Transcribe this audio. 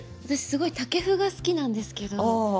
私すごいタケフが好きなんですけど。